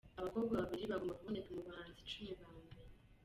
Abakobwa babiri bagomba kuboneka mu bahanzi icumi ba mbere.